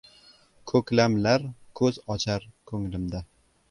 Ko‘klamlar ko‘z ochar ko‘nglimda